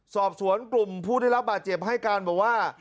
สอบสวนกลุ่มผู้ได้รับบาดเจ็บให้การบอกว่า